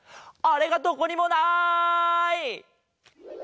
あれがどこにもない！